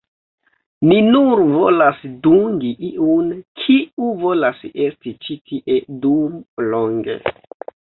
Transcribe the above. Ni nur volas dungi iun, kiu volas esti ĉi tie dum longe.